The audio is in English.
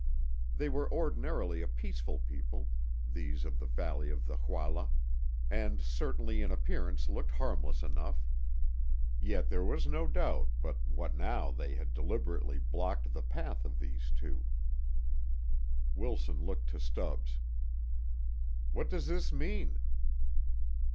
They were ordinarily a peaceful people these of the valley of the Jaula and certainly in appearance looked harmless enough. Yet there was no doubt but what now they had deliberately blocked the path of these two. Wilson looked to Stubbs. "What does this mean?"